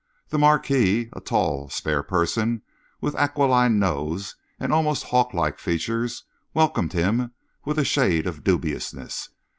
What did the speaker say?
The Marquis, a tall, spare person, with aquiline nose and almost hawklike features, welcomed him with a shade of dubiousness.